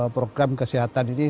program kesehatan ini